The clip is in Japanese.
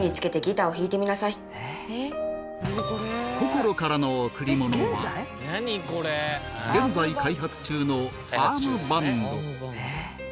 心からの贈り物は現在開発中のアームバンド